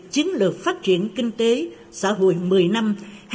chiến lược phát triển kinh tế xã hội một mươi năm hai nghìn hai mươi một hai nghìn ba mươi